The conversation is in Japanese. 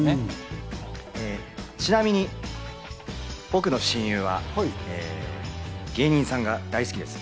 ちなみに僕の親友は芸人さんが大好きです。